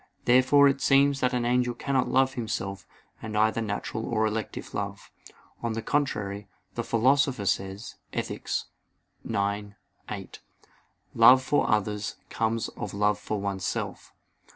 Therefore it seems that an angel cannot love himself with either natural or elective love. On the contrary, The Philosopher says (Ethic. ix, 8): "Love for others comes of love for oneself."